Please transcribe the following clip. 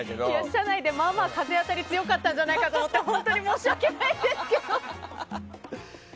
社内でまあまあ風当たりが強かったんじゃないかと思って本当に申し訳ないですけど。